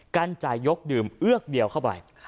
กันจ่ายยกดื่มเอือกเดียวเข้าไป